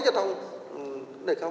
giao thông cái này không